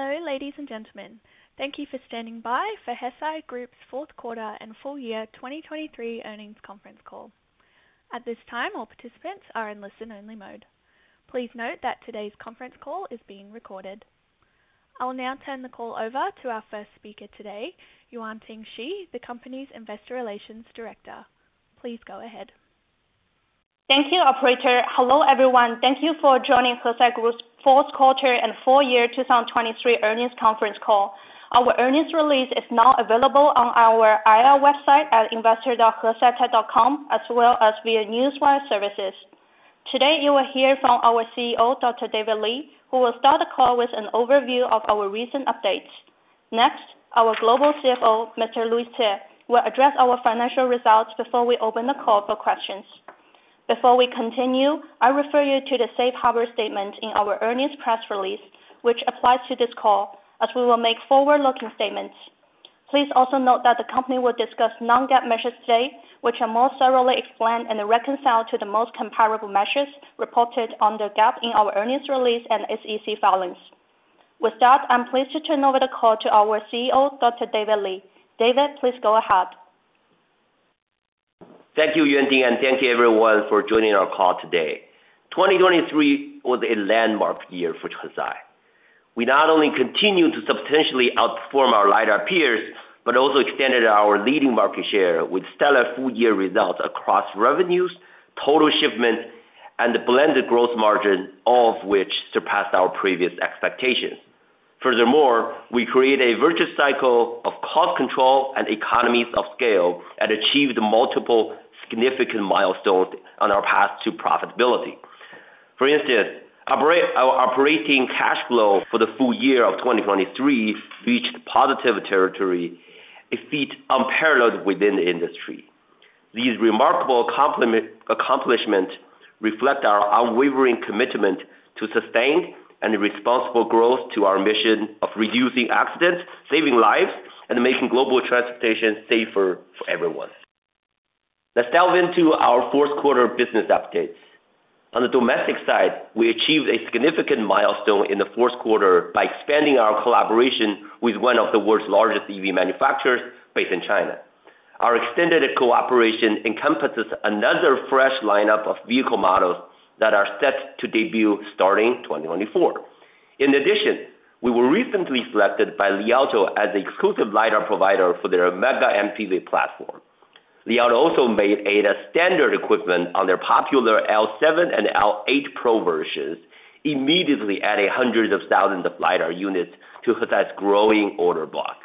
Hello, ladies and gentlemen. Thank you for standing by for Hesai Group's Fourth Quarter and Full Year 2023 Earnings Conference Call. At this time, all participants are in listen-only mode. Please note that today's conference call is being recorded. I'll now turn the call over to our first speaker today, Yuanting Shi, the company's Investor Relations Director. Please go ahead. Thank you, Operator. Hello, everyone. Thank you for joining Hesai Group's Fourth Quarter and Full Year 2023 Earnings Conference Call. Our earnings release is now available on our IR website at investor.hesaitech.com, as well as via newswire services. Today you will hear from our CEO, Dr. David Li, who will start the call with an overview of our recent updates. Next, our global CFO, Mr. Louis Hsieh, will address our financial results before we open the call for questions. Before we continue, I refer you to the safe harbor statement in our earnings press release, which applies to this call, as we will make forward-looking statements. Please also note that the company will discuss non-GAAP measures today, which are more thoroughly explained and reconciled to the most comparable measures reported under GAAP in our earnings release and SEC filings. With that, I'm pleased to turn over the call to our CEO, Dr. David Li. David, please go ahead. Thank you, Yuanting, and thank you, everyone, for joining our call today. 2023 was a landmark year for Hesai. We not only continued to substantially outperform our lighter peers but also extended our leading market share with stellar full-year results across revenues, total shipments, and blended gross margin, all of which surpassed our previous expectations. Furthermore, we created a virtuous cycle of cost control and economies of scale and achieved multiple significant milestones on our path to profitability. For instance, our operating cash flow for the full year of 2023 reached positive territory, a feat unparalleled within the industry. These remarkable accomplishments reflect our unwavering commitment to sustained and responsible growth to our mission of reducing accidents, saving lives, and making global transportation safer for everyone. Let's delve into our fourth quarter business updates. On the domestic side, we achieved a significant milestone in the fourth quarter by expanding our collaboration with one of the world's largest EV manufacturers based in China. Our extended cooperation encompasses another fresh lineup of vehicle models that are set to debut starting 2024. In addition, we were recently selected by Li Auto as an exclusive LiDAR provider for their MEGA MPV platform. Li Auto also made ADAS standard equipment on their popular L7 and L8 Pro versions immediately adding hundreds of thousands of LiDAR units to Hesai's growing order block.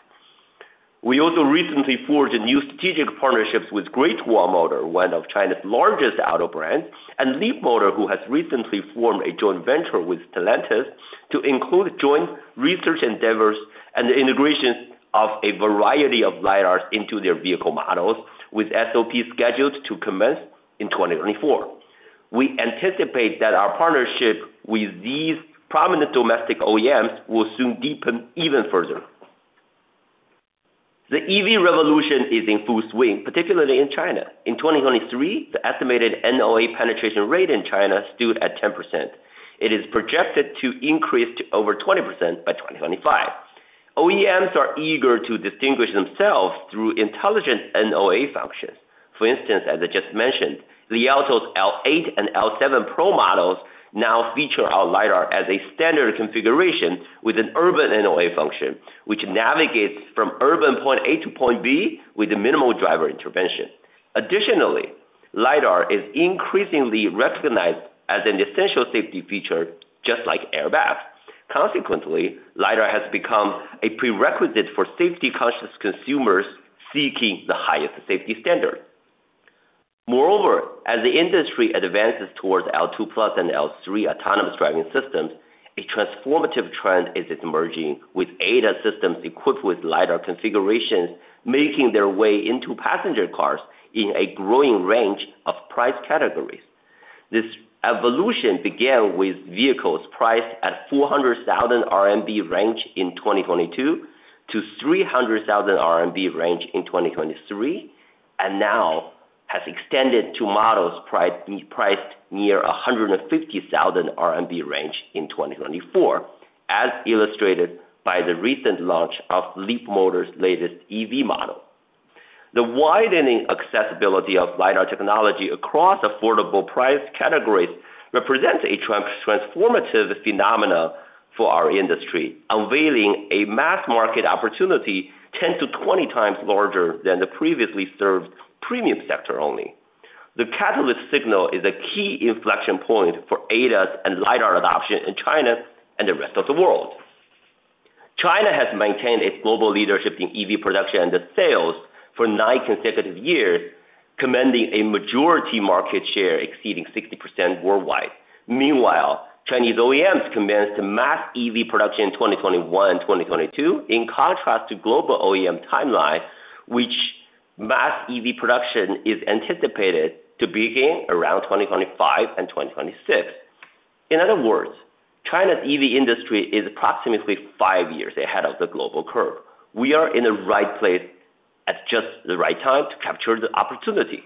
We also recently forged new strategic partnerships with Great Wall Motor, one of China's largest auto brands, and Leapmotor, who has recently formed a joint venture with Stellantis to include joint research endeavors and the integration of a variety of LiDARs into their vehicle models, with SOPs scheduled to commence in 2024. We anticipate that our partnership with these prominent domestic OEMs will soon deepen even further. The EV revolution is in full swing, particularly in China. In 2023, the estimated NOA penetration rate in China stood at 10%. It is projected to increase to over 20% by 2025. OEMs are eager to distinguish themselves through intelligent NOA functions. For instance, as I just mentioned, Li Auto's L8 and L7 Pro models now feature our LiDAR as a standard configuration with an urban NOA function, which navigates from urban point A to point B with minimal driver intervention. Additionally, LiDAR is increasingly recognized as an essential safety feature, just like airbags. Consequently, LiDAR has become a prerequisite for safety-conscious consumers seeking the highest safety standard. Moreover, as the industry advances towards L2+ and L3 autonomous driving systems, a transformative trend is emerging with ADAS systems equipped with LiDAR configurations making their way into passenger cars in a growing range of price categories. This evolution began with vehicles priced at 400,000 RMB range in 2022 to 300,000 RMB range in 2023, and now has extended to models priced near 150,000 RMB range in 2024, as illustrated by the recent launch of Leapmotor's latest EV model. The widening accessibility of LiDAR technology across affordable price categories represents a transformative phenomenon for our industry, unveiling a mass market opportunity 10-20 times larger than the previously served premium sector only. The catalyst signal is a key inflection point for ADAS and LiDAR adoption in China and the rest of the world. China has maintained its global leadership in EV production and sales for nine consecutive years, commanding a majority market share exceeding 60% worldwide. Meanwhile, Chinese OEMs commenced mass EV production in 2021 and 2022, in contrast to global OEM timelines, which mass EV production is anticipated to begin around 2025 and 2026. In other words, China's EV industry is approximately five years ahead of the global curve. We are in the right place at just the right time to capture the opportunity.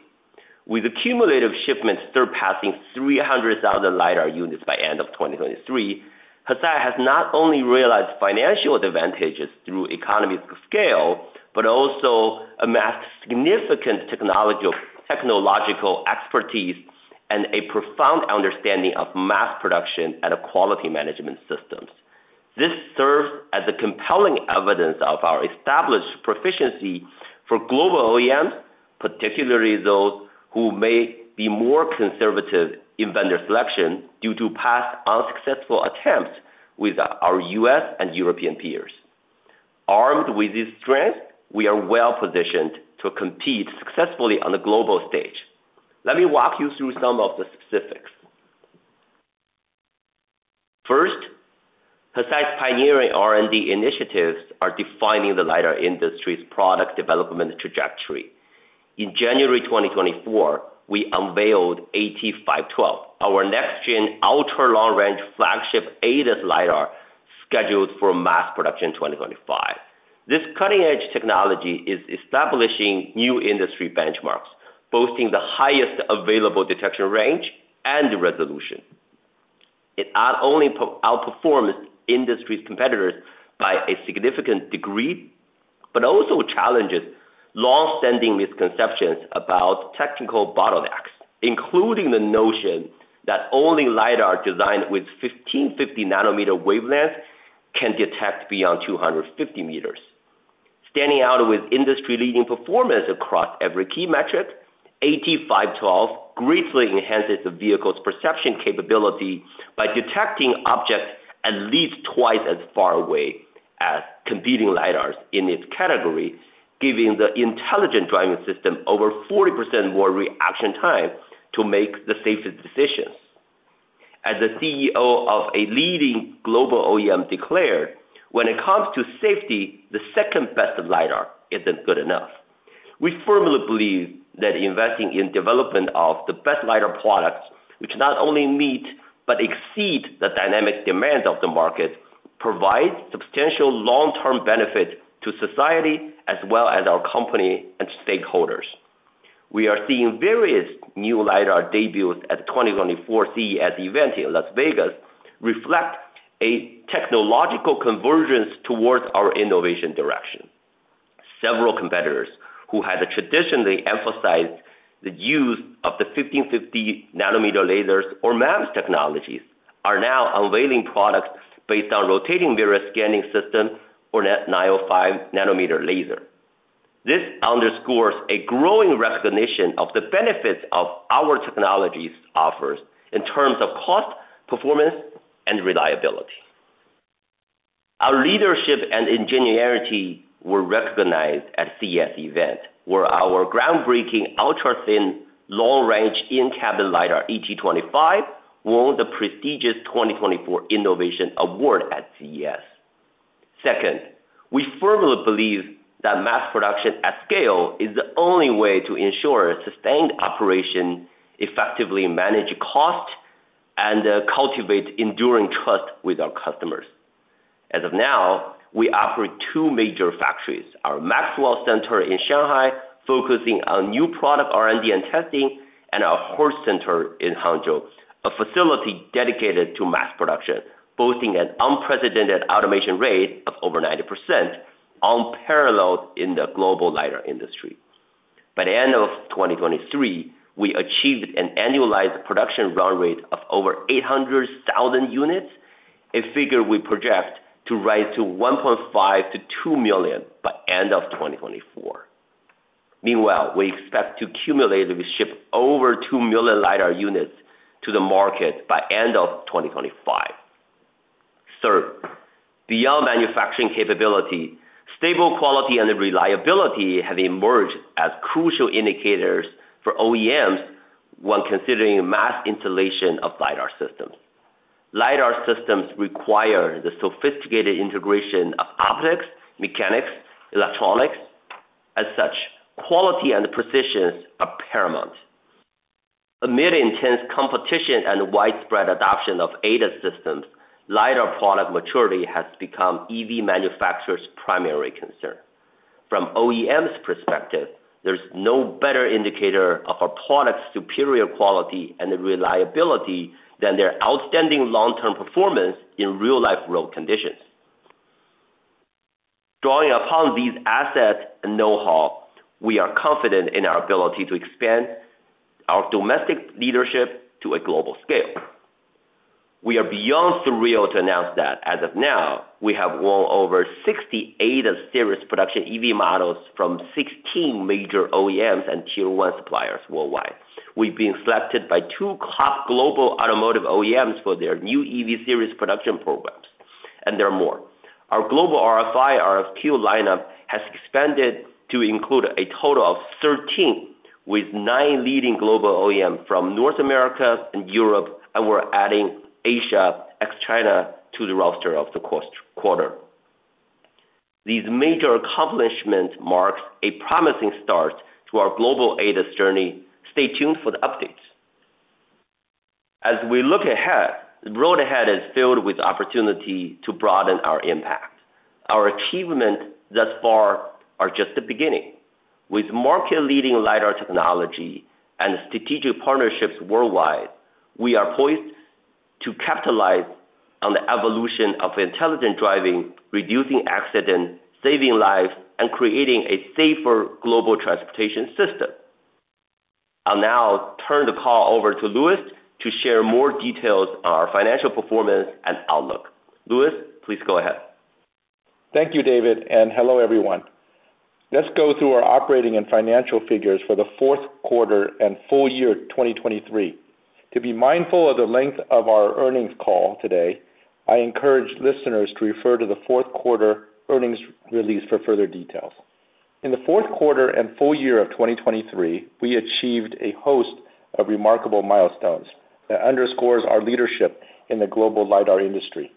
With accumulative shipments surpassing 300,000 LiDAR units by the end of 2023, Hesai has not only realized financial advantages through economies of scale but also amassed significant technological expertise and a profound understanding of mass production and quality management systems. This serves as compelling evidence of our established proficiency for global OEMs, particularly those who may be more conservative in vendor selection due to past unsuccessful attempts with our U.S. and European peers. Armed with these strengths, we are well-positioned to compete successfully on the global stage. Let me walk you through some of the specifics. First, Hesai's pioneering R&D initiatives are defining the LiDAR industry's product development trajectory. In January 2024, we unveiled AT512, our next-gen ultra-long-range flagship ADAS LiDAR scheduled for mass production in 2025. This cutting-edge technology is establishing new industry benchmarks, boasting the highest available detection range and resolution. It not only outperforms industry competitors by a significant degree but also challenges long-standing misconceptions about technical bottlenecks, including the notion that only LiDAR designed with 1550 nanometer wavelengths can detect beyond 250 meters. Standing out with industry-leading performance across every key metric, AT512 greatly enhances the vehicle's perception capability by detecting objects at least twice as far away as competing LiDARs in its category, giving the intelligent driving system over 40% more reaction time to make the safest decisions. As the CEO of a leading global OEM declared, "When it comes to safety, the second-best LiDAR isn't good enough." We firmly believe that investing in development of the best LiDAR products, which not only meet but exceed the dynamic demands of the market, provides substantial long-term benefits to society as well as our company and stakeholders. We are seeing various new LiDAR debuts at the 2024 CES event in Las Vegas reflect a technological convergence towards our innovation direction. Several competitors who had traditionally emphasized the use of the 1550-nanometer lasers or MEMS technologies are now unveiling products based on rotating mirror scanning systems or 905-nanometer laser. This underscores a growing recognition of the benefits of our technology's offers in terms of cost, performance, and reliability. Our leadership and ingenuity were recognized at the CES event, where our groundbreaking ultra-thin, long-range in-cabin LiDAR ET25 won the prestigious 2024 Innovation Award at CES. Second, we firmly believe that mass production at scale is the only way to ensure sustained operations, effectively manage costs, and cultivate enduring trust with our customers. As of now, we operate two major factories, our Maxwell Center in Shanghai focusing on new product R&D and testing, and our Hertz Center in Hangzhou, a facility dedicated to mass production, boasting an unprecedented automation rate of over 90%, unparalleled in the global LiDAR industry. By the end of 2023, we achieved an annualized production run rate of over 800,000 units, a figure we project to rise to 1.5-2 million by the end of 2024. Meanwhile, we expect to cumulatively ship over 2 million LiDAR units to the market by the end of 2025. Third, beyond manufacturing capability, stable quality and reliability have emerged as crucial indicators for OEMs when considering mass installation of LiDAR systems. LiDAR systems require the sophisticated integration of optics, mechanics, and electronics. As such, quality and precision are paramount. Amid intense competition and widespread adoption of ADAS systems, LiDAR product maturity has become EV manufacturers' primary concern. From OEMs' perspective, there's no better indicator of our product's superior quality and reliability than their outstanding long-term performance in real-life road conditions. Drawing upon these assets and know-how, we are confident in our ability to expand our domestic leadership to a global scale. We are beyond thrilled to announce that, as of now, we have won over 60 ADAS series production EV models from 16 major OEMs and Tier 1 suppliers worldwide. We've been selected by two top global automotive OEMs for their new EV series production programs, and there are more. Our global RFI/RFQ lineup has expanded to include a total of 13, with nine leading global OEMs from North America and Europe, and we're adding Asia and China to the roster of the fourth quarter. These major accomplishments mark a promising start to our global ADAS journey. Stay tuned for the updates. As we look ahead, the road ahead is filled with opportunity to broaden our impact. Our achievements thus far are just the beginning. With market-leading LiDAR technology and strategic partnerships worldwide, we are poised to capitalize on the evolution of intelligent driving, reducing accidents, saving lives, and creating a safer global transportation system. I'll now turn the call over to Louis to share more details on our financial performance and outlook. Louis, please go ahead. Thank you, David, and hello everyone. Let's go through our operating and financial figures for the fourth quarter and full year 2023. To be mindful of the length of our earnings call today, I encourage listeners to refer to the fourth quarter earnings release for further details. In the fourth quarter and full year of 2023, we achieved a host of remarkable milestones that underscore our leadership in the global LiDAR industry.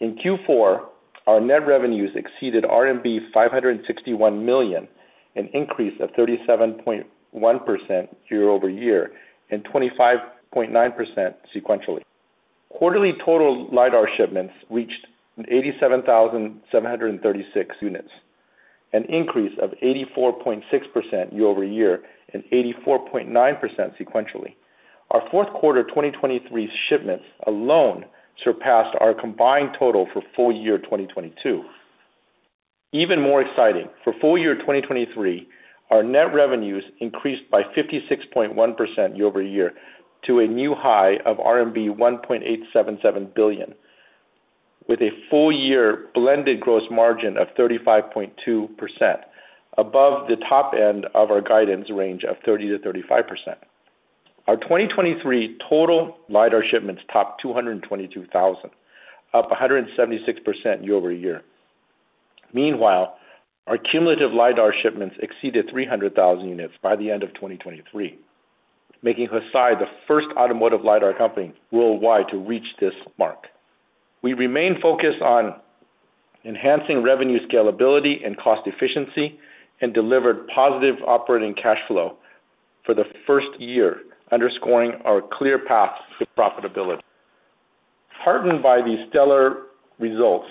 In Q4, our net revenues exceeded RMB 561 million, an increase of 37.1% year-over-year and 25.9% sequentially. Quarterly total LiDAR shipments reached 87,736 units, an increase of 84.6% year-over-year and 84.9% sequentially. Our fourth quarter 2023 shipments alone surpassed our combined total for full year 2022. Even more exciting, for full year 2023, our net revenues increased by 56.1% year-over-year to a new high of RMB 1.877 billion, with a full year blended gross margin of 35.2%, above the top end of our guidance range of 30%-35%. Our 2023 total LiDAR shipments topped 222,000, up 176% year-over-year. Meanwhile, our cumulative LiDAR shipments exceeded 300,000 units by the end of 2023, making Hesai the first automotive LiDAR company worldwide to reach this mark. We remain focused on enhancing revenue scalability and cost efficiency and delivered positive operating cash flow for the first year, underscoring our clear path to profitability. Heartened by these stellar results,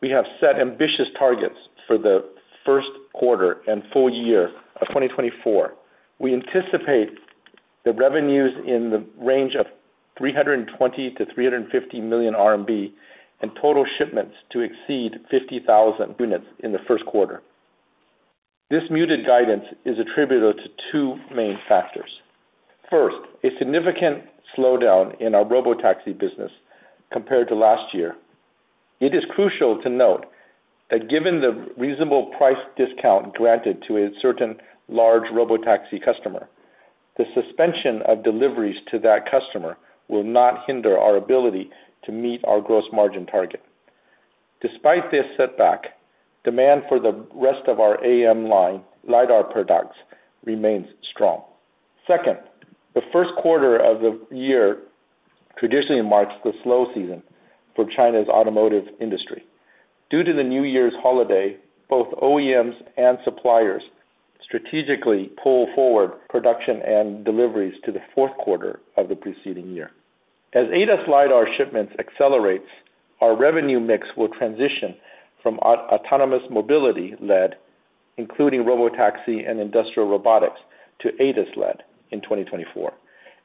we have set ambitious targets for the first quarter and full year of 2024. We anticipate the revenues in the range of 320 million-350 million RMB and total shipments to exceed 50,000 units in the first quarter. This muted guidance is attributed to two main factors. First, a significant slowdown in our robotaxi business compared to last year. It is crucial to note that given the reasonable price discount granted to a certain large robotaxi customer, the suspension of deliveries to that customer will not hinder our ability to meet our gross margin target. Despite this setback, demand for the rest of our AT line LiDAR products remains strong. Second, the first quarter of the year traditionally marks the slow season for China's automotive industry. Due to the New Year's holiday, both OEMs and suppliers strategically pull forward production and deliveries to the fourth quarter of the preceding year. As ADAS LiDAR shipments accelerate, our revenue mix will transition from autonomous mobility-led, including robotaxi and industrial robotics, to ADAS-led in 2024.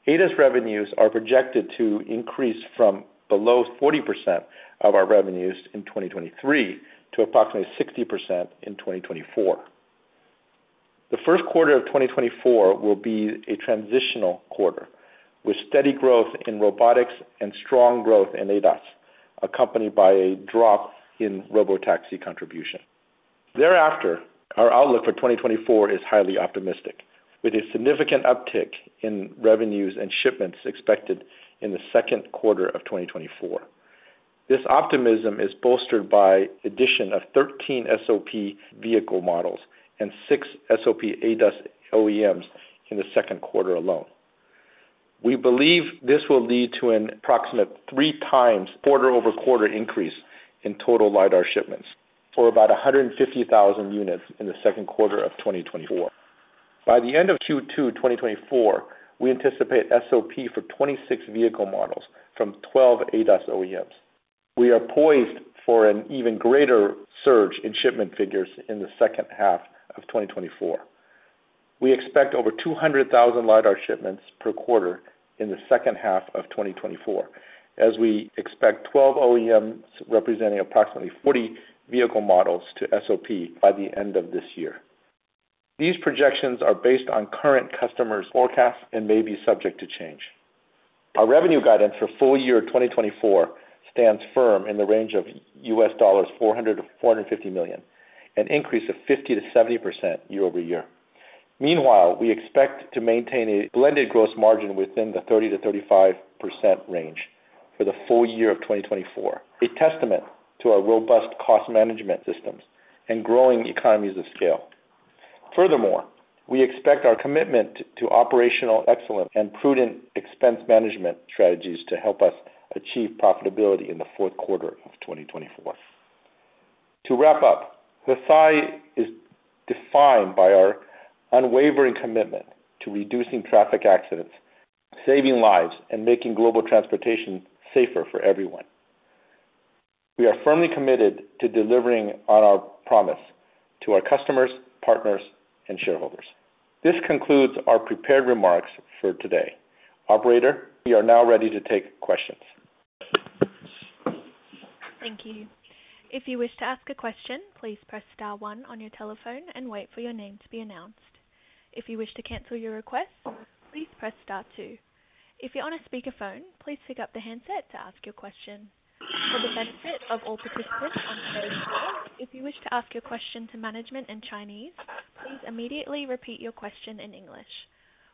ADAS revenues are projected to increase from below 40% of our revenues in 2023 to approximately 60% in 2024. The first quarter of 2024 will be a transitional quarter, with steady growth in robotics and strong growth in ADAS, accompanied by a drop in robotaxi contribution. Thereafter, our outlook for 2024 is highly optimistic, with a significant uptick in revenues and shipments expected in the second quarter of 2024. This optimism is bolstered by the addition of 13 SOP vehicle models and six SOP ADAS OEMs in the second quarter alone. We believe this will lead to an approximate 3x quarter-over-quarter increase in total LiDAR shipments, or about 150,000 units in the second quarter of 2024. By the end of Q2 2024, we anticipate SOP for 26 vehicle models from 12 ADAS OEMs. We are poised for an even greater surge in shipment figures in the second half of 2024. We expect over 200,000 LiDAR shipments per quarter in the second half of 2024, as we expect 12 OEMs representing approximately 40 vehicle models to SOP by the end of this year. These projections are based on current customers' forecasts and may be subject to change. Our revenue guidance for full year 2024 stands firm in the range of $400 million-$450 million, an increase of 50%-70% year-over-year. Meanwhile, we expect to maintain a blended gross margin within the 30%-35% range for the full year of 2024, a testament to our robust cost management systems and growing economies of scale. Furthermore, we expect our commitment to operational excellence and prudent expense management strategies to help us achieve profitability in the fourth quarter of 2024. To wrap up, Hesai is defined by our unwavering commitment to reducing traffic accidents, saving lives, and making global transportation safer for everyone. We are firmly committed to delivering on our promise to our customers, partners, and shareholders. This concludes our prepared remarks for today. Operator, we are now ready to take questions. Thank you. If you wish to ask a question, please press star one on your telephone and wait for your name to be announced. If you wish to cancel your request, please press star two. If you're on a speakerphone, please pick up the handset to ask your question. For the benefit of all participants on today's call, if you wish to ask your question to management in Chinese, please immediately repeat your question in English.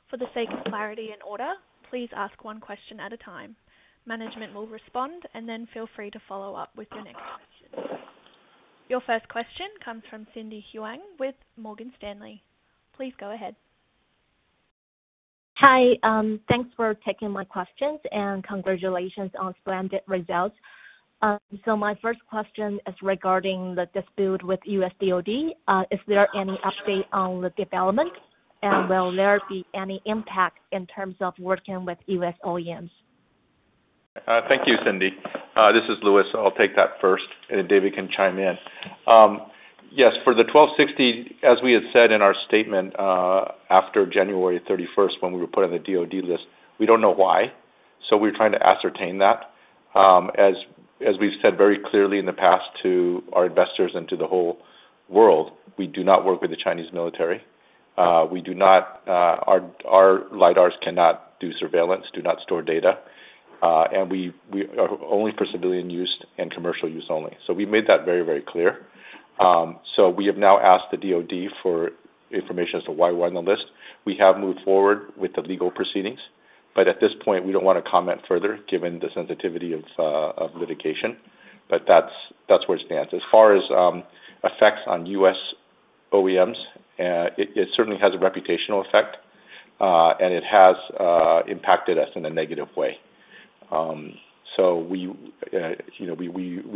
For the sake of clarity and order, please ask one question at a time. Management will respond, and then feel free to follow up with your next question. Your first question comes from Cindy Huang with Morgan Stanley. Please go ahead. Hi. Thanks for taking my questions, and congratulations on splendid results. My first question is regarding the dispute with U.S. DOD. Is there any update on the development, and will there be any impact in terms of working with U.S. OEMs? Thank you, Cindy. This is Louis. I'll take that first, and David can chime in. Yes, for the 1260, as we had said in our statement after January 31st when we were put on the DOD list, we don't know why. So we're trying to ascertain that. As we've said very clearly in the past to our investors and to the whole world, we do not work with the Chinese military. Our LiDARs cannot do surveillance, do not store data, and we are only for civilian use and commercial use only. So we've made that very, very clear. So we have now asked the DOD for information as to why we're on the list. We have moved forward with the legal proceedings, but at this point, we don't want to comment further given the sensitivity of litigation. But that's where it stands. As far as effects on U.S. OEMs, it certainly has a reputational effect, and it has impacted us in a negative way. So we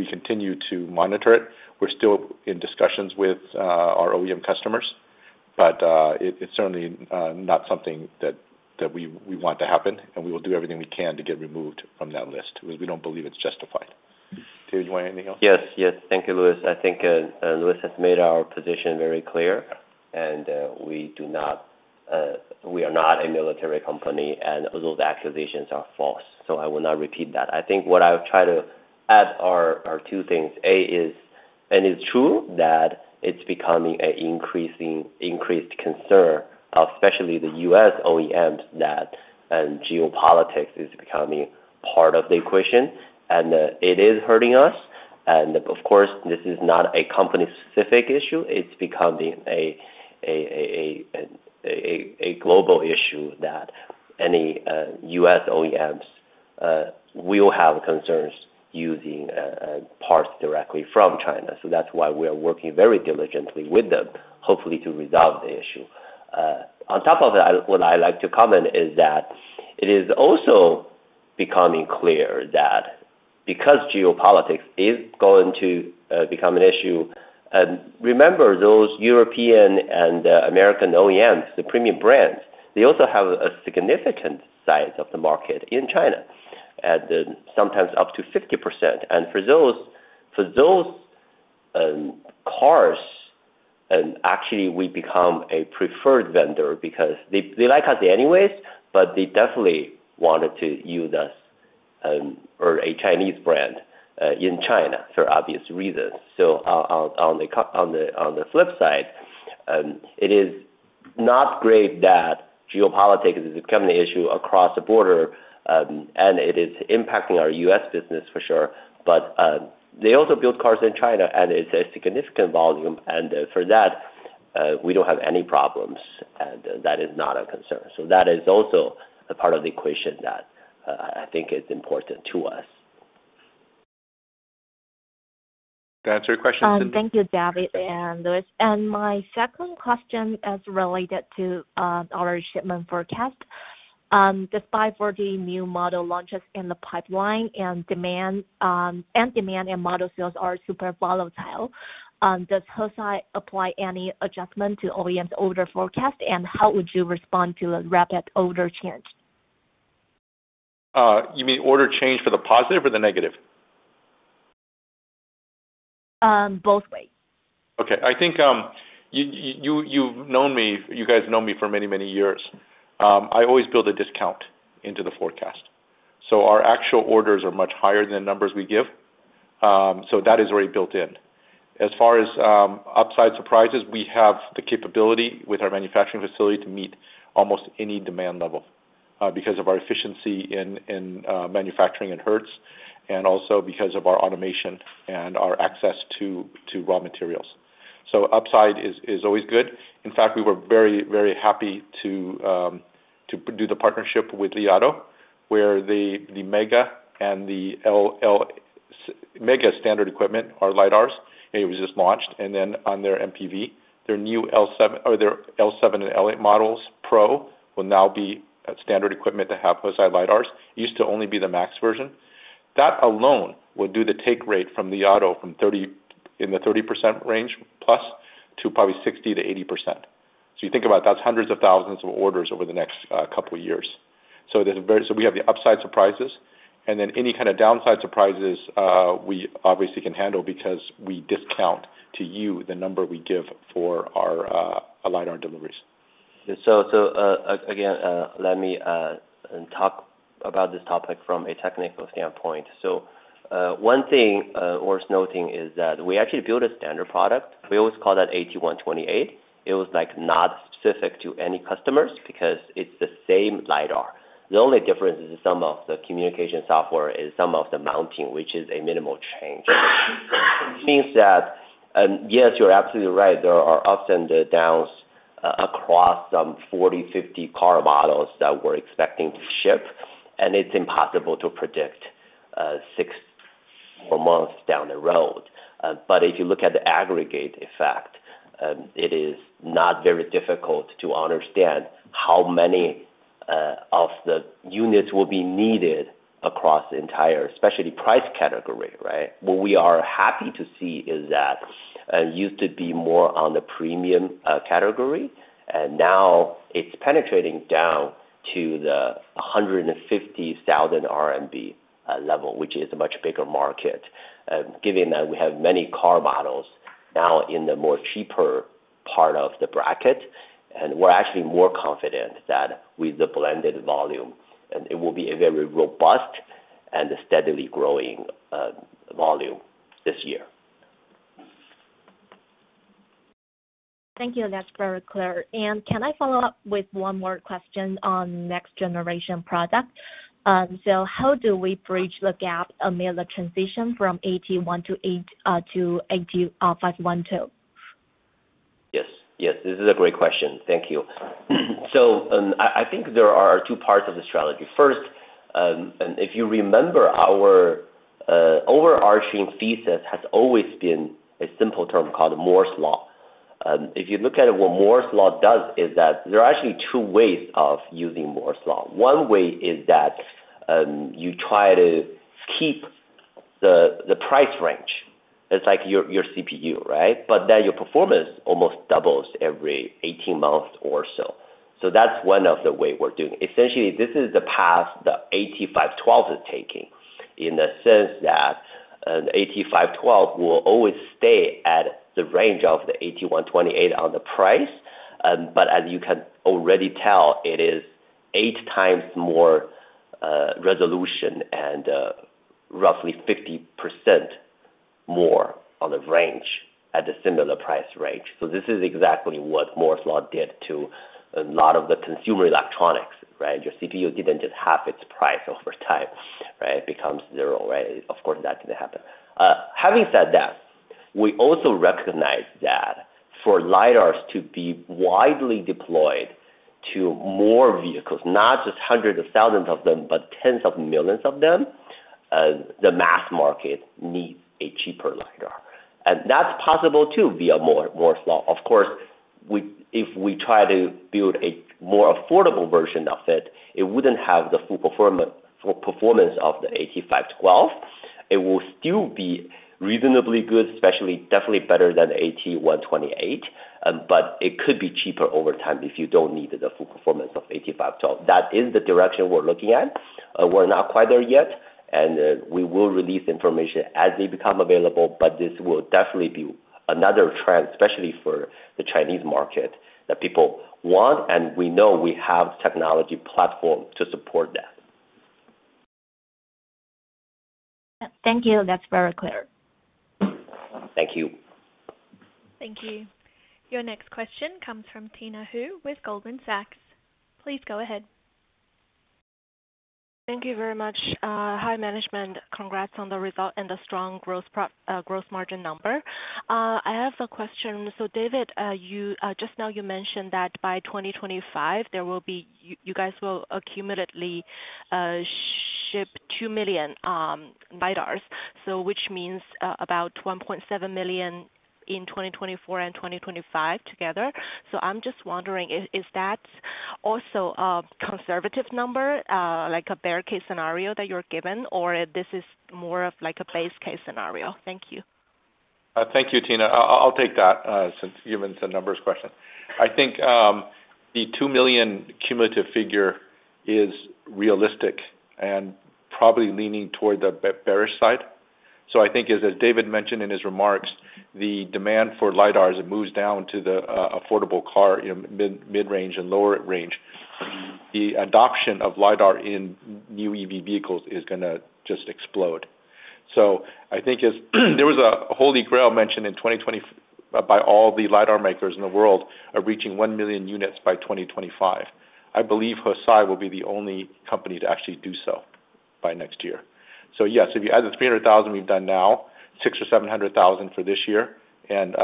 continue to monitor it. We're still in discussions with our OEM customers, but it's certainly not something that we want to happen, and we will do everything we can to get removed from that list because we don't believe it's justified. David, do you want anything else? Yes, yes. Thank you, Louis. I think Louis has made our position very clear, and we are not a military company, and those accusations are false. So I will not repeat that. I think what I'll try to add are two things. A is, and it's true that it's becoming an increased concern, especially the U.S. OEMs, that geopolitics is becoming part of the equation, and it is hurting us. And of course, this is not a company-specific issue. It's becoming a global issue that any U.S. OEMs will have concerns using parts directly from China. So that's why we are working very diligently with them, hopefully to resolve the issue. On top of that, what I'd like to comment is that it is also becoming clear that because geopolitics is going to become an issue, remember those European and American OEMs, the premium brands, they also have a significant size of the market in China, sometimes up to 50%. And for those cars, actually, we become a preferred vendor because they like us anyways, but they definitely wanted to use us or a Chinese brand in China for obvious reasons. So on the flip side, it is not great that geopolitics is becoming an issue across the border, and it is impacting our U.S. business for sure. But they also build cars in China, and it's a significant volume, and for that, we don't have any problems, and that is not a concern. So that is also a part of the equation that I think is important to us. That's your question, Cindy? Thank you, David and Louis. My second question is related to our shipment forecast. Despite 40 new model launches in the pipeline and demand and model sales are super volatile, does Hesai apply any adjustment to OEMs' order forecast, and how would you respond to a rapid order change? You mean order change for the positive or the negative? Both ways. Okay. I think you've known me you guys know me for many, many years. I always build a discount into the forecast. So our actual orders are much higher than the numbers we give, so that is already built in. As far as upside surprises, we have the capability with our manufacturing facility to meet almost any demand level because of our efficiency in manufacturing in Hertz and also because of our automation and our access to raw materials. So upside is always good. In fact, we were very, very happy to do the partnership with Li Auto, where the MEGA and the MEGA standard equipment are LiDARs. It was just launched, and then on their MPV, their new L7 and L8 models Pro will now be standard equipment to have Hesai LiDARs. It used to only be the Max version. That alone will do the take rate from Li Auto in the 30% range plus to probably 60%-80%. So you think about that's hundreds of thousands of orders over the next couple of years. So we have the upside surprises, and then any kind of downside surprises we obviously can handle because we discount to you the number we give for our LiDAR deliveries. So again, let me talk about this topic from a technical standpoint. So one thing worth noting is that we actually built a standard product. We always call that AT128. It was not specific to any customers because it's the same LiDAR. The only difference is some of the communication software is some of the mounting, which is a minimal change. It means that, yes, you're absolutely right. There are ups and downs across some 40-50 car models that we're expecting to ship, and it's impossible to predict six more months down the road. But if you look at the aggregate effect, it is not very difficult to understand how many of the units will be needed across the entire, especially price category, right? What we are happy to see is that it used to be more on the premium category, and now it's penetrating down to the 150,000 RMB level, which is a much bigger market. Given that we have many car models now in the more cheaper part of the bracket, and we're actually more confident that with the blended volume, it will be a very robust and steadily growing volume this year. Thank you. That's very clear. And can I follow up with one more question on next-generation product? So how do we bridge the gap amid the transition from AT128 to AT512? Yes, yes. This is a great question. Thank you. So I think there are two parts of the strategy. First, if you remember, our overarching thesis has always been a simple term called Moore's Law. If you look at it, what Moore's Law does is that there are actually two ways of using Moore's Law. One way is that you try to keep the price range. It's like your CPU, right? But then your performance almost doubles every 18 months or so. So that's one of the ways we're doing it. Essentially, this is the path the AT512 is taking in the sense that AT512 will always stay at the range of the AT128 on the price. But as you can already tell, it is eight times more resolution and roughly 50% more on the range at the similar price range. So this is exactly what Moore's Law did to a lot of the consumer electronics, right? Your CPU didn't just halve its price over time, right? It becomes zero, right? Of course, that didn't happen. Having said that, we also recognize that for LiDARs to be widely deployed to more vehicles, not just hundreds of thousands of them, but tens of millions of them, the mass market needs a cheaper LiDAR. And that's possible too via Moore's Law. Of course, if we try to build a more affordable version of it, it wouldn't have the full performance of the AT512. It will still be reasonably good, definitely better than the AT128, but it could be cheaper over time if you don't need the full performance of AT512. That is the direction we're looking at. We're not quite there yet, and we will release information as they become available, but this will definitely be another trend, especially for the Chinese market, that people want, and we know we have the technology platform to support that. Thank you. That's very clear. Thank you. Thank you. Your next question comes from Tina Hou with Goldman Sachs. Please go ahead. Thank you very much. Hi management. Congrats on the result and the strong gross margin number. I have a question. David, just now you mentioned that by 2025, you guys will accumulatively ship 2 million LiDARs, which means about 1.7 million in 2024 and 2025 together. I'm just wondering, is that also a conservative number, like a bear case scenario that you're given, or this is more of like a base case scenario? Thank you. Thank you, Tina. I'll take that since you've been the numbers question. I think the 2 million cumulative figure is realistic and probably leaning toward the bearish side. So I think, as David mentioned in his remarks, the demand for LiDARs, it moves down to the affordable car mid-range and lower range. The adoption of LiDAR in new EV vehicles is going to just explode. So I think there was a Holy Grail mentioned in 2020 by all the LiDAR makers in the world of reaching 1 million units by 2025. I believe Hesai will be the only company to actually do so by next year. So yes, if you add the 300,000 we've done now, 600,000 or 700,000 for this year, and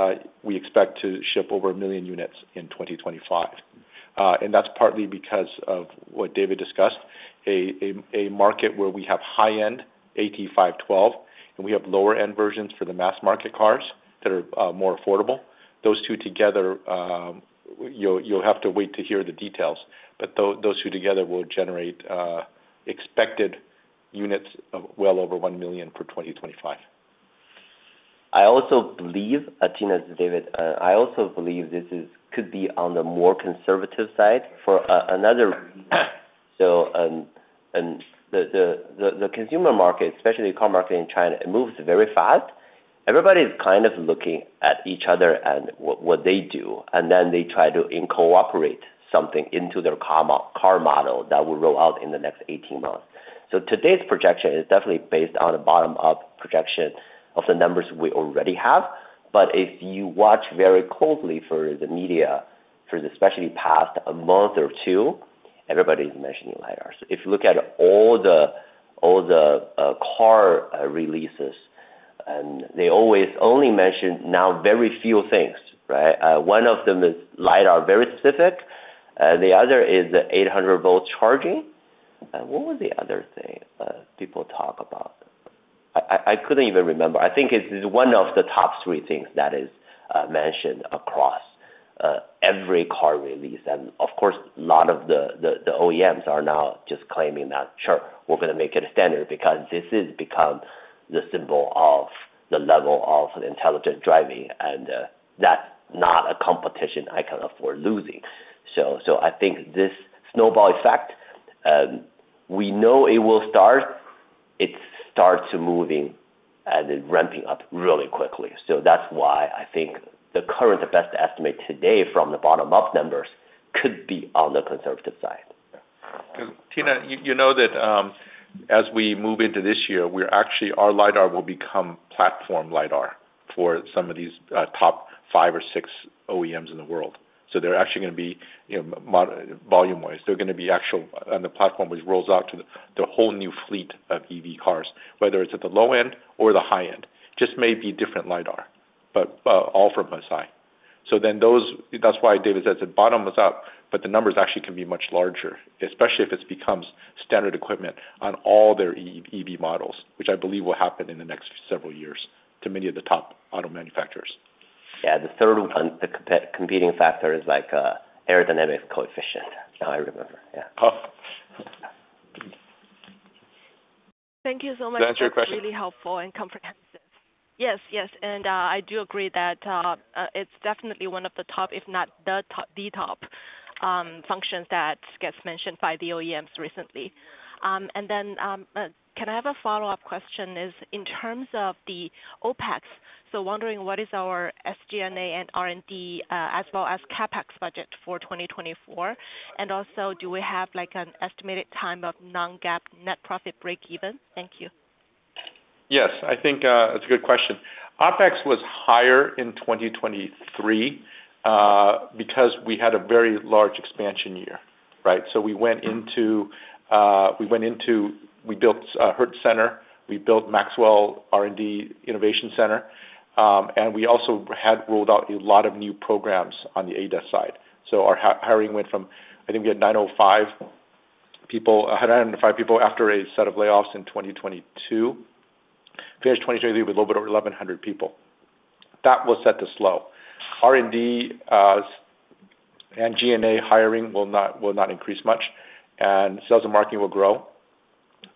we expect to ship over 1 million units in 2025. That's partly because of what David discussed, a market where we have high-end AT512 and we have lower-end versions for the mass market cars that are more affordable. Those two together, you'll have to wait to hear the details, but those two together will generate expected units of well over 1 million for 2025. I also believe, Tina and David, I also believe this could be on the more conservative side for another. So the consumer market, especially the car market in China, it moves very fast. Everybody is kind of looking at each other and what they do, and then they try to cooperate something into their car model that will roll out in the next 18 months. So today's projection is definitely based on a bottom-up projection of the numbers we already have. But if you watch very closely for the media, especially past a month or two, everybody is mentioning LiDAR. So if you look at all the car releases, they always only mention now very few things, right? One of them is LiDAR, very specific. The other is the 800-volt charging. What was the other thing people talk about? I couldn't even remember. I think it's one of the top three things that is mentioned across every car release. And of course, a lot of the OEMs are now just claiming that, "Sure, we're going to make it a standard because this has become the symbol of the level of intelligent driving, and that's not a competition I can afford losing." So I think this snowball effect, we know it will start. It starts moving and ramping up really quickly. So that's why I think the current best estimate today from the bottom-up numbers could be on the conservative side. Because Tina, you know that as we move into this year, our LiDAR will become platform LiDAR for some of these top five or six OEMs in the world. So they're actually going to be volume-wise, they're going to be actual and the platform, which rolls out to the whole new fleet of EV cars, whether it's at the low end or the high end, just may be different LiDAR, but all from Hesai. So then that's why David says, "It's bottom is up," but the numbers actually can be much larger, especially if it becomes standard equipment on all their EV models, which I believe will happen in the next several years to many of the top auto manufacturers. Yeah. The third one, the competing factor is like aerodynamic coefficient. Now I remember. Yeah. Thank you so much. Does that answer your question? It's really helpful and comprehensive. Yes, yes. And I do agree that it's definitely one of the top, if not the top, the top functions that gets mentioned by the OEMs recently. And then can I have a follow-up question? In terms of the OpEx, so wondering what is our SG&A and R&D as well as CapEx budget for 2024? And also, do we have an estimated time of non-GAAP net profit breakeven? Thank you. Yes. I think it's a good question. OpEx was higher in 2023 because we had a very large expansion year, right? So we went into we built Hertz Center, we built Maxwell R&D Innovation Center, and we also had rolled out a lot of new programs on the ADAS side. So our hiring went from I think we had 905 to 105 people after a set of layoffs in 2022. Finished 2023 with a little bit over 1,100 people. That was set to slow. R&D and G&A hiring will not increase much, and sales and marketing will grow.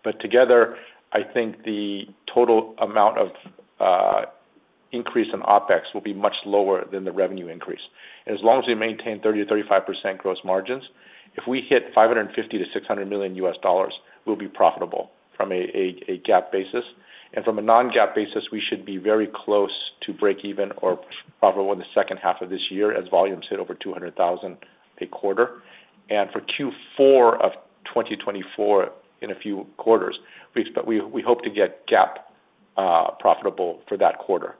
But together, I think the total amount of increase in OpEx will be much lower than the revenue increase. And as long as we maintain 30%-35% gross margins, if we hit $550 million-$600 million, we'll be profitable from a GAAP basis. From a non-GAAP basis, we should be very close to breakeven or profitable in the second half of this year as volumes hit over 200,000 a quarter. For Q4 of 2024, in a few quarters, we hope to get GAAP profitable for that quarter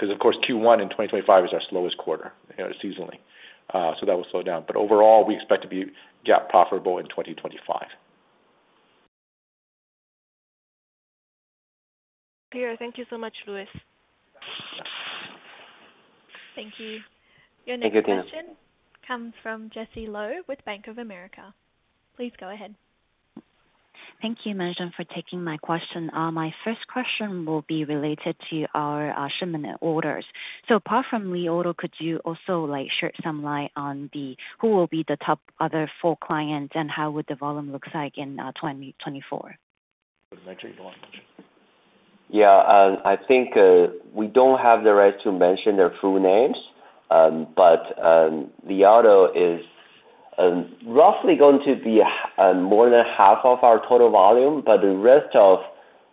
because, of course, Q1 in 2025 is our slowest quarter seasonally. That will slow down. Overall, we expect to be GAAP profitable in 2025. Thank you so much, Louis. Thank you. Your next question comes from Jessie Lo with Bank of America. Please go ahead. Thank you, management, for taking my question. My first question will be related to our shipment orders. Apart from Li Auto, could you also shed some light on who will be the top other four clients and how would the volume look like in 2024? Mention? You don't want to mention? Yeah. I think we don't have the right to mention their full names, but Li Auto is roughly going to be more than half of our total volume. But the rest of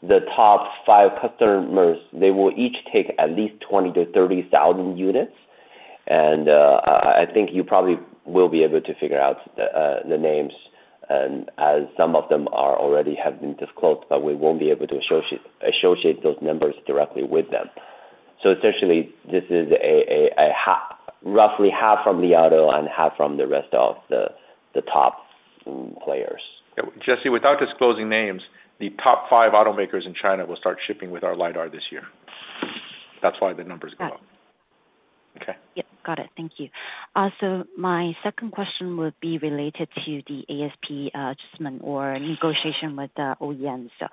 the top five customers, they will each take at least 20,000-30,000 units. And I think you probably will be able to figure out the names as some of them already have been disclosed, but we won't be able to associate those numbers directly with them. So essentially, this is roughly half from Li Auto and half from the rest of the top players. Jesse, without disclosing names, the top five automakers in China will start shipping with our LiDAR this year. That's why the numbers go up. Yeah. Got it. Thank you. So my second question would be related to the ASP adjustment or negotiation with the OEMs. So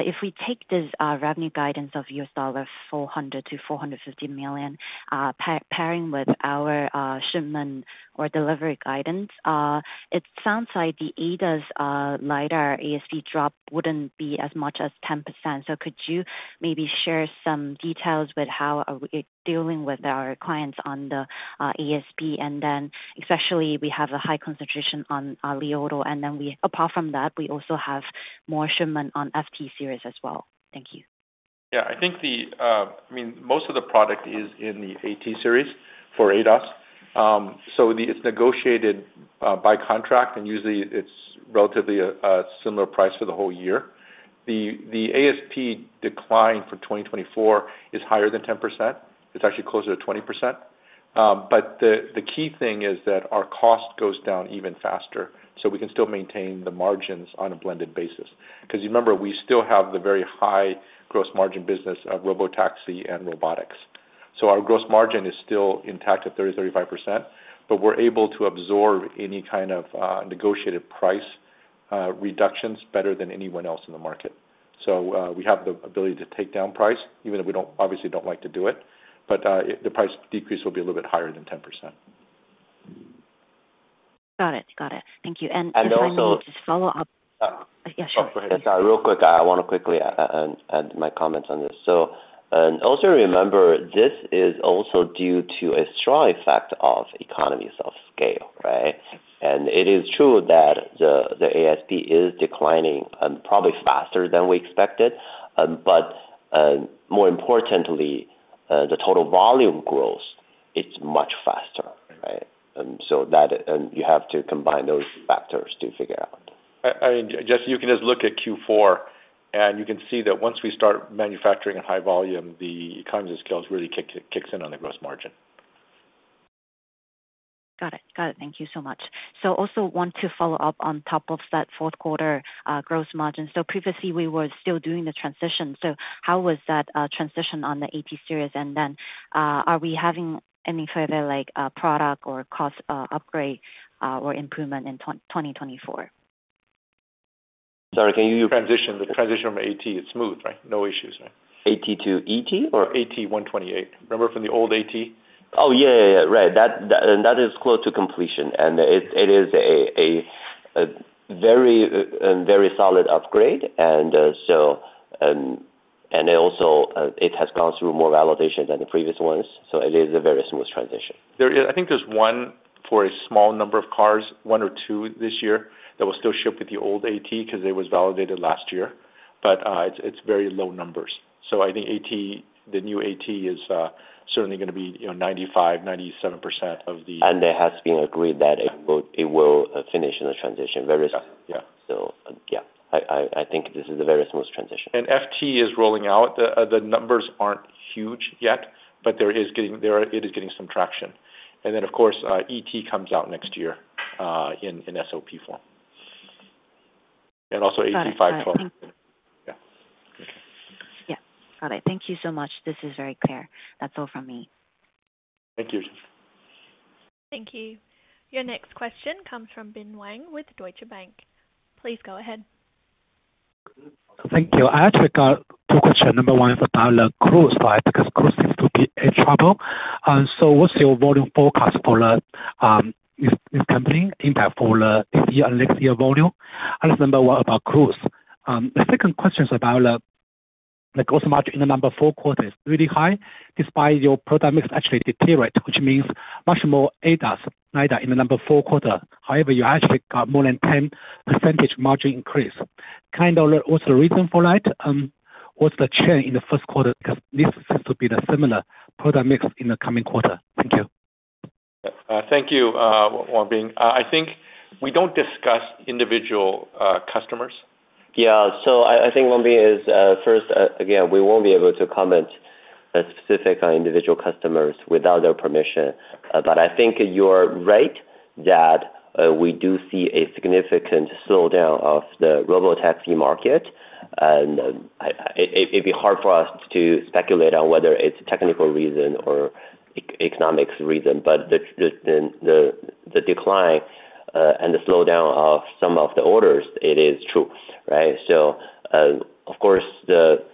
if we take this revenue guidance of $400 million-$450 million pairing with our shipment or delivery guidance, it sounds like the ADAS LiDAR ASP drop wouldn't be as much as 10%. So could you maybe share some details with how we're dealing with our clients on the ASP? And then especially we have a high concentration on Li Auto, and then apart from that, we also have more shipment on FT series as well. Thank you. Yeah. I think, I mean, most of the product is in the AT series for ADAS. So it's negotiated by contract, and usually, it's relatively a similar price for the whole year. The ASP decline for 2024 is higher than 10%. It's actually closer to 20%. But the key thing is that our cost goes down even faster, so we can still maintain the margins on a blended basis. Because you remember, we still have the very high gross margin business of robotaxi and robotics. So our gross margin is still intact at 30%-35%, but we're able to absorb any kind of negotiated price reductions better than anyone else in the market. So we have the ability to take down price, even though we obviously don't like to do it. But the price decrease will be a little bit higher than 10%. Got it. Got it. Thank you. And finally, just follow up. And also. Yeah, sure. Oh, go ahead. Sorry. Real quick, I want to quickly add my comments on this. So also remember, this is also due to a straw effect of economies of scale, right? And it is true that the ASP is declining probably faster than we expected. But more importantly, the total volume growth, it's much faster, right? So you have to combine those factors to figure out. I mean, Jessie, you can just look at Q4, and you can see that once we start manufacturing at high volume, the economies of scale really kicks in on the gross margin. Got it. Got it. Thank you so much. So also want to follow up on top of that fourth quarter gross margin. So previously, we were still doing the transition. So how was that transition on the AT series? And then are we having any further product or cost upgrade or improvement in 2024? Sorry. Can you? Transition, the transition from AT, it's smooth, right? No issues, right? AT to ET? Or AT128? Remember from the old AT? Oh, yeah, yeah, yeah. Right. And that is close to completion. And it is a very, very solid upgrade. And also it has gone through more validation than the previous ones. So it is a very smooth transition. I think there's one for a small number of cars, one or two this year, that will still ship with the old AT because it was validated last year. But it's very low numbers. So I think the new AT is certainly going to be 95%-97% of the. There has been agreed that it will finish in the transition, very soon. Yeah, I think this is a very smooth transition. FT is rolling out. The numbers aren't huge yet, but it is getting some traction. And then, of course, ET comes out next year in SOP form. And also AT512. Yeah. Yeah. Got it. Thank you so much. This is very clear. That's all from me. Thank you. Thank you. Your next question comes from Bin Wang with Deutsche Bank. Please go ahead. Thank you. I actually got two questions. Number one is about Cruise, right? Because Cruise seems to be in trouble. So what's your volume forecast for this company, impact for this year and next year volume? And number one about Cruise. The second question is about the gross margin in the number four quarter is really high despite your product mix actually deteriorating, which means much more ADAS LiDAR in the number four quarter. However, you actually got more than 10% margin increase. Kind of also the reason for that? What's the change in the first quarter? Because this seems to be the similar product mix in the coming quarter. Thank you. Thank you, Wang Bin. I think we don't discuss individual customers. Yeah. So I think Wang Bin is first, again, we won't be able to comment specifically on individual customers without their permission. But I think you're right that we do see a significant slowdown of the robotaxi market. And it'd be hard for us to speculate on whether it's a technical reason or economic reason. But the decline and the slowdown of some of the orders, it is true, right? So of course, the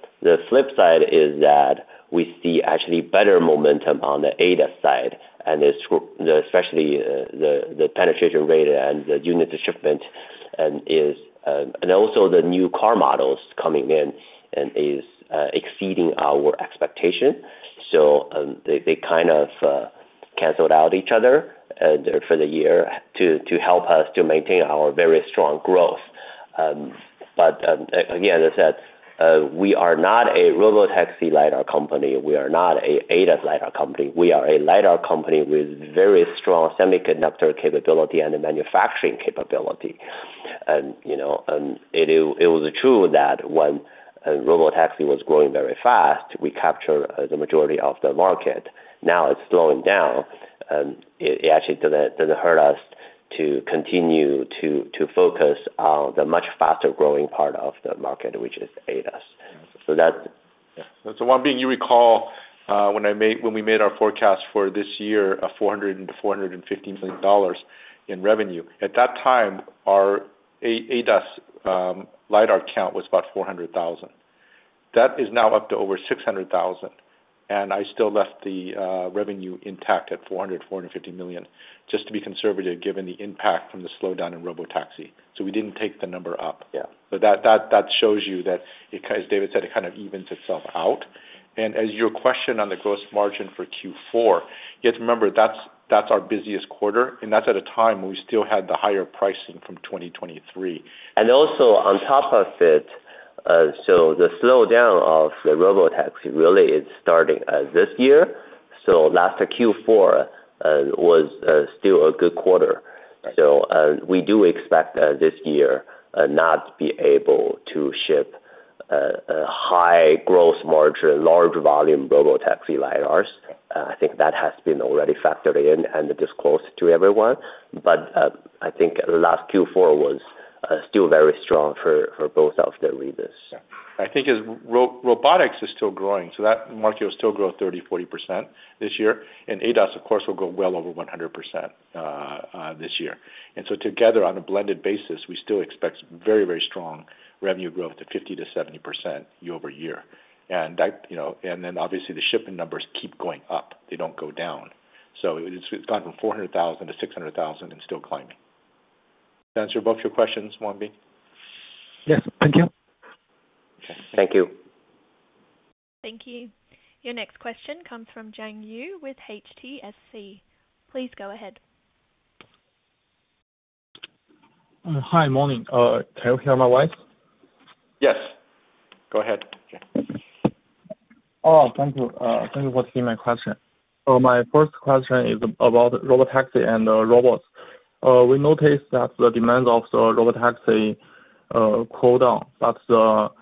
flip side is that we see actually better momentum on the ADAS side, especially the penetration rate and the units of shipment. And also the new car models coming in is exceeding our expectation. So they kind of canceled out each other for the year to help us to maintain our very strong growth. But again, as I said, we are not a robotaxi LiDAR company. We are not an ADAS LiDAR company. We are a LiDAR company with very strong semiconductor capability and manufacturing capability. It was true that when robotaxi was growing very fast, we captured the majority of the market. Now it's slowing down. It actually doesn't hurt us to continue to focus on the much faster growing part of the market, which is ADAS. So that's. Yeah. So Wan Bing, you recall when we made our forecast for this year of $400 million-$450 million in revenue, at that time, our ADAS LiDAR count was about 400,000. That is now up to over 600,000. And I still left the revenue intact at $400 million-$450 million, just to be conservative given the impact from the slowdown in robotaxi. So we didn't take the number up. So that shows you that, as David said, it kind of evens itself out. And as your question on the gross margin for Q4, yes, remember, that's our busiest quarter. And that's at a time when we still had the higher pricing from 2023. Also on top of it, the slowdown of the robotaxi really is starting this year. Last Q4 was still a good quarter. We do expect this year not to be able to ship high gross margin, large volume robotaxi LiDARs. I think that has been already factored in and disclosed to everyone. I think last Q4 was still very strong for both of the LiDARs. Yeah. I think as robotics is still growing, so that market will still grow 30%-40% this year. And ADAS, of course, will go well over 100% this year. And so together, on a blended basis, we still expect very, very strong revenue growth to 50%-70% year-over-year. And then obviously, the shipment numbers keep going up. They don't go down. So it's gone from 400,000-600,000 and still climbing. Did that answer both your questions, Wan Bing? Yes. Thank you. Okay. Thank you. Thank you. Your next question comes from Zhang Yu with HTSC. Please go ahead. Hi. Morning. Can you hear my voice? Yes. Go ahead. Okay. Oh, thank you. Thank you for seeing my question. My first question is about robotaxi and robots. We notice that the demand of the robotaxi cooled down, but the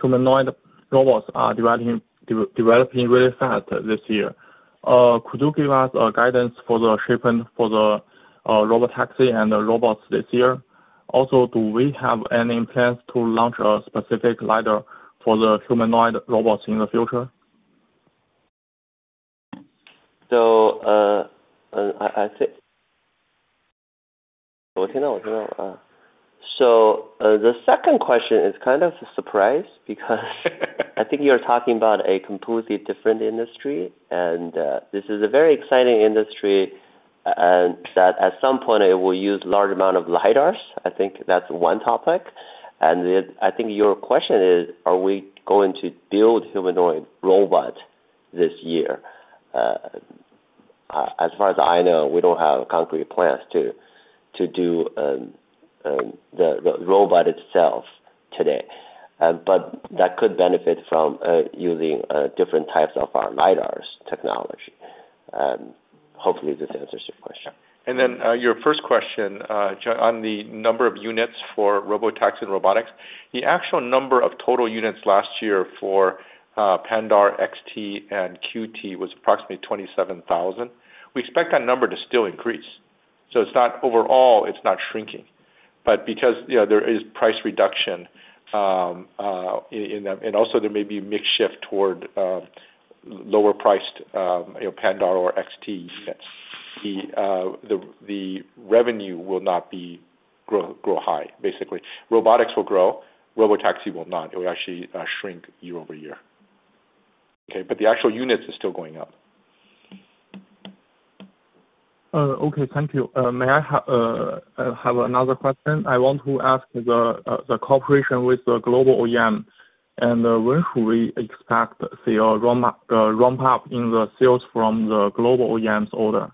humanoid robots are developing really fast this year. Could you give us guidance for the shipment for the robotaxi and the robots this year? Also, do we have any plans to launch a specific LiDAR for the humanoid robots in the future? So, I think. Oh, I think I know. I think I know. So the second question is kind of a surprise because I think you're talking about a completely different industry. And this is a very exciting industry that, at some point, will use a large amount of LiDARs. I think that's one topic. And I think your question is, are we going to build humanoid robots this year? As far as I know, we don't have concrete plans to do the robot itself today. But that could benefit from using different types of our LiDARs technology. Hopefully, this answers your question. Your first question on the number of units for robotaxi and robotics, the actual number of total units last year for Pandar, XT, and QT was approximately 27,000. We expect that number to still increase. So overall, it's not shrinking. But because there is price reduction in them, and also there may be a mixed shift toward lower-priced Pandar or XT units, the revenue will not grow high, basically. Robotics will grow. Robotaxi will not. It will actually shrink year-over-year. Okay? But the actual units are still going up. Okay. Thank you. May I have another question? I want to ask the cooperation with the global OEM. When should we expect the ramp-up in the sales from the global OEMs order?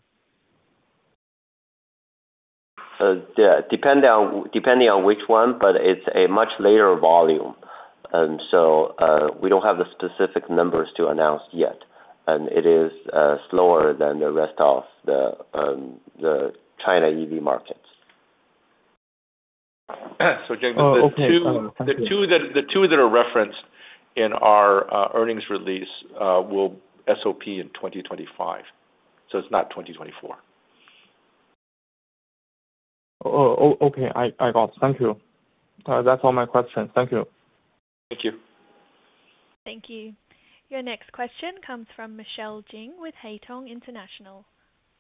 Yeah. Depending on which one, but it's a much later volume. So we don't have the specific numbers to announce yet. And it is slower than the rest of the China EV markets. So Wan Bing, the two that are referenced in our earnings release will SOP in 2025. So it's not 2024. Okay. I got it. Thank you. That's all my questions. Thank you. Thank you. Thank you. Your next question comes from Michelle Jing with Haitong International.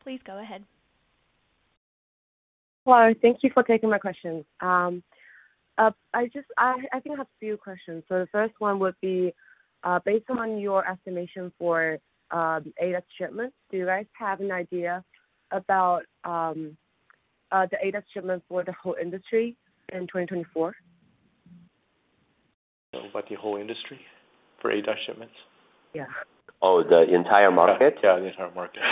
Please go ahead. Hello. Thank you for taking my questions. I think I have a few questions. The first one would be, based on your estimation for ADAS shipments, do you guys have an idea about the ADAS shipments for the whole industry in 2024? About the whole industry for ADAS shipments? Yeah. Oh, the entire market? Yeah. The entire market.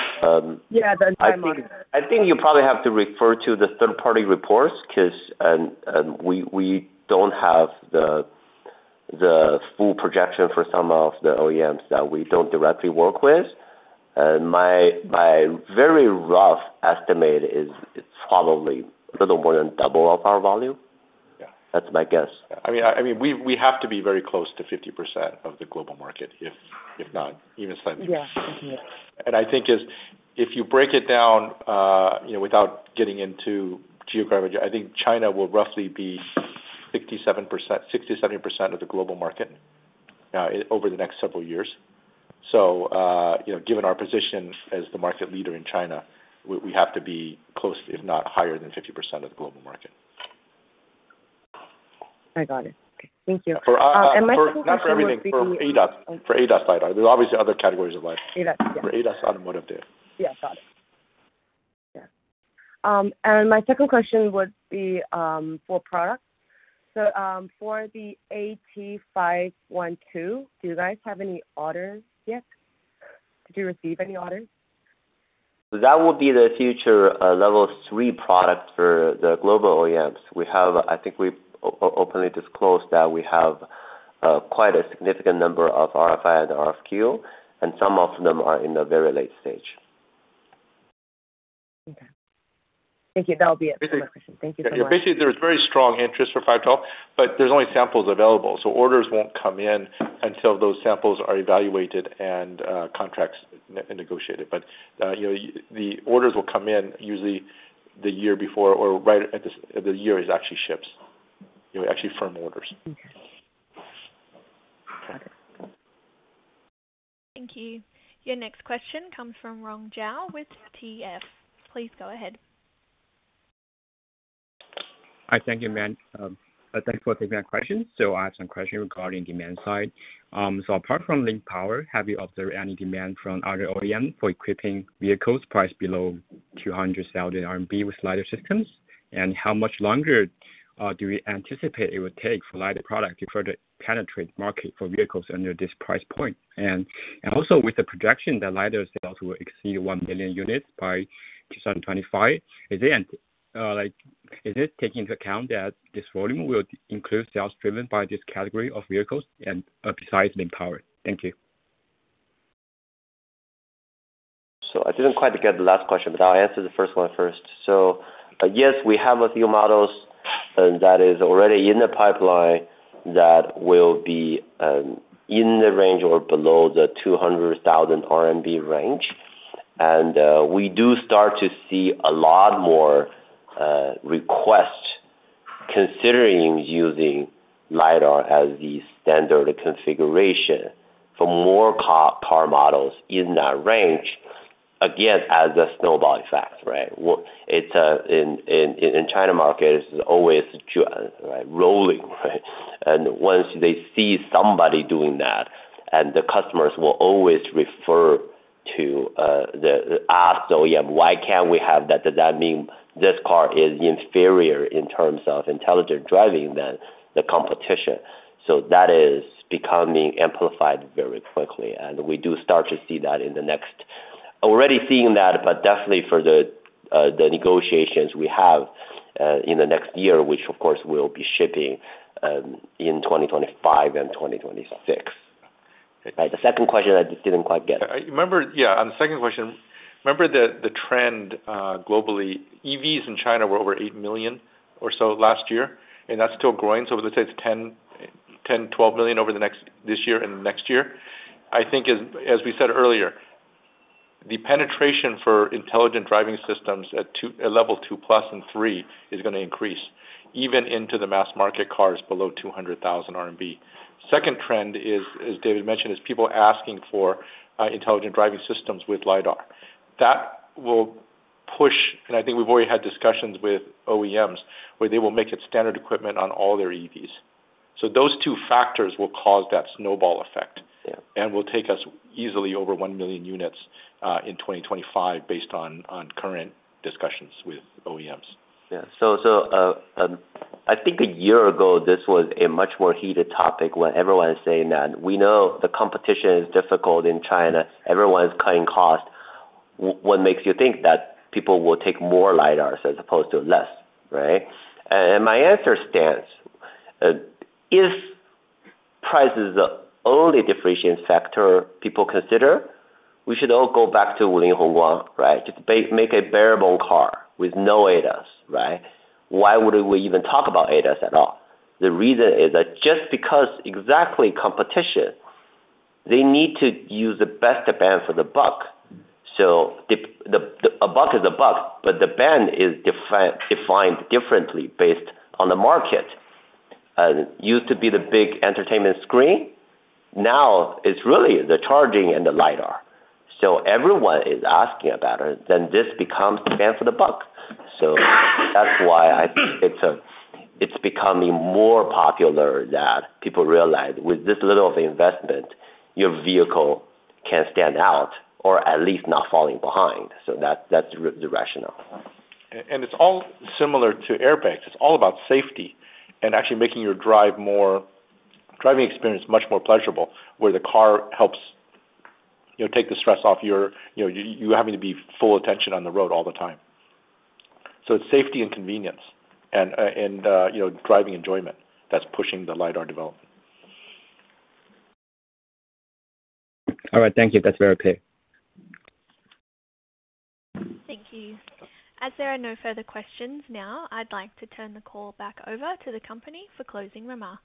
Yeah. The entire market. I think you probably have to refer to the third-party reports because we don't have the full projection for some of the OEMs that we don't directly work with. My very rough estimate is it's probably a little more than double of our volume. That's my guess. Yeah. I mean, we have to be very close to 50% of the global market, if not even slightly. And I think if you break it down without getting into geographic, I think China will roughly be 60%-70%, 60%-70% of the global market over the next several years. So given our position as the market leader in China, we have to be close, if not higher than 50% of the global market. I got it. Okay. Thank you. Not for everything. For ADAS LiDAR. There's obviously other categories of LiDAR. ADAS, yeah. For ADAS automotive there. Yeah. Got it. Yeah. And my second question would be for products. So for the AT512, do you guys have any orders yet? Did you receive any orders? That will be the future level three product for the global OEMs. I think we openly disclosed that we have quite a significant number of RFI and RFQ. Some of them are in the very late stage. Okay. Thank you. That'll be it for my questions. Thank you so much. Basically, there's very strong interest for 512, but there's only samples available. So orders won't come in until those samples are evaluated and contracts negotiated. But the orders will come in usually the year before or right at the year it actually ships, actually firm orders. Okay. Got it. Thank you. Your next question comes from Rong Zhao with TF. Please go ahead. Hi. Thank you, man. Thanks for taking my questions. So I have some questions regarding demand side. So apart from Lynk Power, have you observed any demand from other OEMs for equipping vehicles priced below 200,000 RMB with LiDAR systems? And how much longer do we anticipate it will take for LiDAR products to further penetrate the market for vehicles under this price point? And also with the projection that LiDAR sales will exceed 1,000,000 units by 2025, is it taking into account that this volume will include sales driven by this category of vehicles besides Lynk Power? Thank you. So I didn't quite get the last question, but I'll answer the first one first. So yes, we have a few models that is already in the pipeline that will be in the range or below the 200,000 RMB range. And we do start to see a lot more requests considering using LiDAR as the standard configuration for more car models in that range, again, as a snowball effect, right? In China market, it's always rolling, right? And once they see somebody doing that, and the customers will always ask the OEM, "Why can't we have that? Does that mean this car is inferior in terms of intelligent driving than the competition?" So that is becoming amplified very quickly. We do start to see that in the next already seeing that, but definitely for the negotiations we have in the next year, which, of course, will be shipping in 2025 and 2026, right? The second question I didn't quite get. Yeah. On the second question, remember the trend globally? EVs in China were over 8 million or so last year. And that's still growing. So let's say it's 10, 12 million over this year and next year. I think, as we said earlier, the penetration for intelligent driving systems at level two-plus and three is going to increase even into the mass market cars below 200,000 RMB. Second trend, as David mentioned, is people asking for intelligent driving systems with LiDAR. That will push and I think we've already had discussions with OEMs where they will make it standard equipment on all their EVs. So those two factors will cause that snowball effect and will take us easily over 1 million units in 2025 based on current discussions with OEMs. Yeah. So I think a year ago, this was a much more heated topic when everyone was saying that, "We know the competition is difficult in China. Everyone's cutting costs." What makes you think that people will take more LiDARs as opposed to less, right? And my answer stands, if price is the only differentiating factor people consider, we should all go back to Wuling Hongguang, right? Just make a barebone car with no ADAS, right? Why would we even talk about ADAS at all? The reason is that just because of the competition, they need to use the best bang for the buck. So a buck is a buck, but the bang is defined differently based on the market. Used to be the big entertainment screen. Now, it's really the charging and the LiDAR. So everyone is asking about it. Then this becomes the bang for the buck. That's why I think it's becoming more popular that people realize with this little of investment, your vehicle can stand out or at least not falling behind. So that's the rationale. It's all similar to airbags. It's all about safety and actually making your driving experience much more pleasurable where the car helps take the stress off you, you're having to be full attention on the road all the time. It's safety and convenience and driving enjoyment that's pushing the LiDAR development. All right. Thank you. That's very clear. Thank you. As there are no further questions now, I'd like to turn the call back over to the company for closing remarks.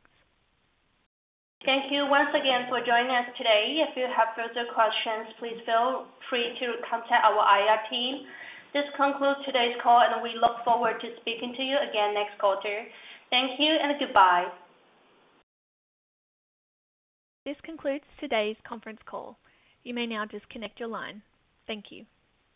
Thank you once again for joining us today. If you have further questions, please feel free to contact our IR team. This concludes today's call, and we look forward to speaking to you again next quarter. Thank you and goodbye. This concludes today's conference call. You may now disconnect your line. Thank you.